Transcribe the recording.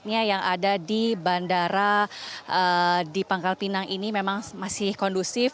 yang ada di bandara di pangkal pinang ini memang masih kondusif